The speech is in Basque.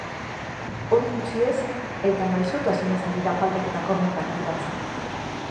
Hori gutxi ez eta, mausitasunez ari da faltak eta kornerrak ateratzen.